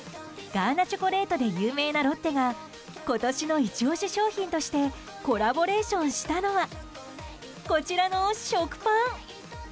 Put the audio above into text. ガーナチョコレートで有名なロッテが今年のイチ押し商品としてコラボレーションしたのはこちらの食パン。